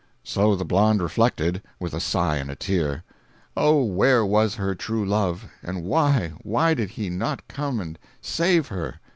So the blonde reflected, with a sigh and a tear. Oh where was her true love—and why, why did he not come and save her?